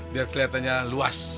biar keliatannya luas banget